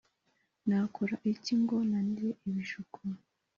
Nakora iki ngo nanire ibishuko